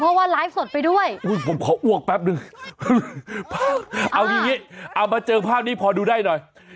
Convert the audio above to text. เพราะว่าไลฟ์สดไปด้วยผมขออ้วกแป๊บนึงเอาอย่างนี้เอามาเจอภาพนี้พอดูได้หน่อย